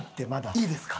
いいですか？